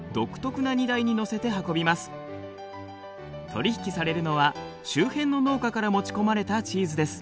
取り引きされるのは周辺の農家から持ち込まれたチーズです。